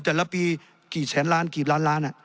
แต่ละปีกี่แสนล้านกี่ล้านล้าน